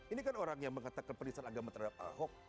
ini kan orang yang mengatakan peristahan agama terhadap ahok